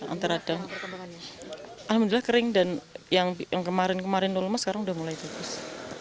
antara ada alhamdulillah kering dan yang kemarin kemarin luma sekarang udah mulai jatuh